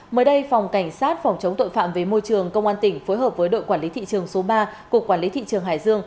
mới đây phòng cảnh sát phòng chống tội phạm về môi trường công an tỉnh phối hợp với đội quản lý thị trường số ba cục quản lý thị trường hải dương